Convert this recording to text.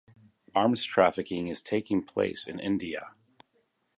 Arms trafficking is taking place in India.